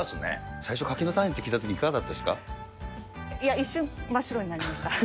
最初、柿の種って聞いたとき、いや、一瞬真っ白になりました。